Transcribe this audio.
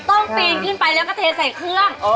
ปีนขึ้นไปแล้วก็เทใส่เครื่อง